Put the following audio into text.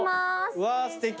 うわーすてき。